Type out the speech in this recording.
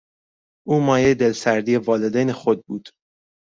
او مایهی دلسردی والدین خود بود.